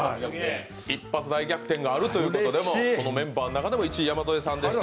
一発大逆転があるということでもこのメンバーの中でも１位、山添さんでした。